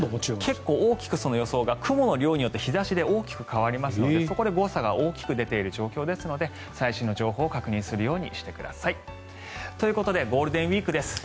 結構大きく予想が雲の量によって日差しがかなり変わりますのでそこで誤差が大きく出ている状況ですので最新の情報を確認するようにしてください。ということでゴールデンウィークです。